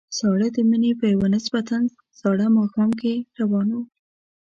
د ساړه مني په یوه نسبتاً ساړه ماښام کې روان وو.